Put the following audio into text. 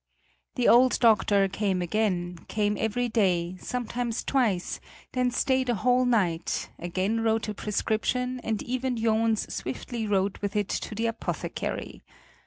The old doctor came again, came every day, sometimes twice, then stayed a whole night, again wrote a prescription and Iven Johns swiftly rode with it to the apothecary.